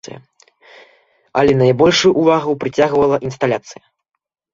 Але найбольшую ўвагу прыцягвала інсталяцыя.